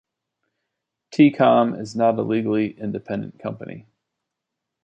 T-Com is not a legally independent company.